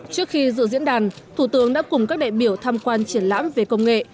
trước khi dự diễn đàn thủ tướng đã cùng các đại biểu tham quan triển lãm về công nghệ